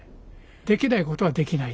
できないことはできない。